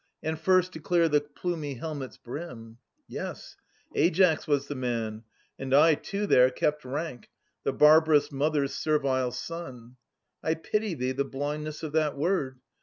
And first to clear the plumy helmet's brim. Yes, Aias was the man, and I too there Kept rank, the ' barbarous mother's servile son.' I pity thee the blindness of that word.